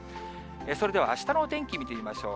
それでは、あしたの天気見てみましょう。